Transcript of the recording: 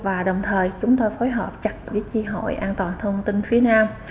và đồng thời chúng tôi phối hợp chặt với chi hội an toàn thông tin phía nam